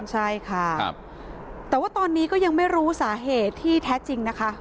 ใช่ค่ะแต่ว่าตอนนี้ก็ยังไม่รู้สาเหตุที่แท้จริงนะคะ